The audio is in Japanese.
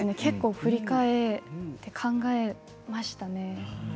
振り返って考えましたね。